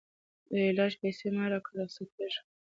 د علاج پیسې مي راکړه رخصتېږم